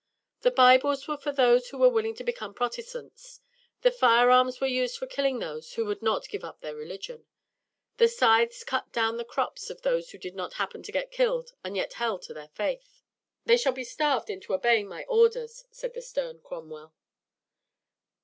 The Bibles were for those who were willing to become Protestants. The firearms were used for killing those who would not give up their religion. The scythes cut down the crops of those who did not happen to get killed and yet held to their faith. "They shall be starved into obeying my orders," said the stern Cromwell.